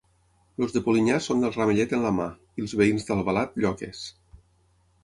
Els de Polinyà són del ramellet en la mà i els veïns d'Albalat, lloques.